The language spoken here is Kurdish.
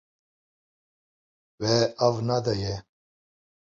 We av nedaye.